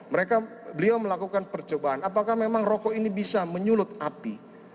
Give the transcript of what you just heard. beliau melakukan percobaan apakah memang rokok ini bisa menyulut api